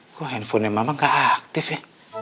kok handphonenya mama gak aktif ya